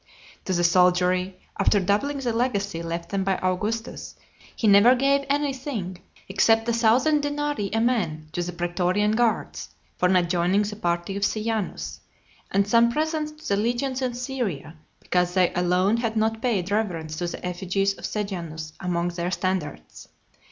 To the soldiery, after doubling the legacy left them by Augustus, he never gave any thing, except a thousand denarii a man to the pretorian guards, for not joining the party of Sejanus; and some presents to the legions in Syria, because they alone had not paid reverence to the effigies of Sejanus among their standards.